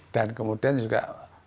dan kemudian juga